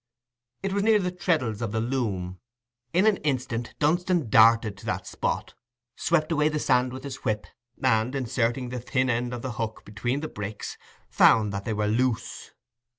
It was near the treddles of the loom. In an instant Dunstan darted to that spot, swept away the sand with his whip, and, inserting the thin end of the hook between the bricks, found that they were loose.